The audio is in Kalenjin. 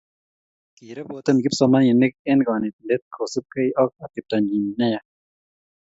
kirepoten kipsomaninik eng kanetindet kosupgei ak ateptonyi neya